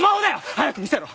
早く見せろ。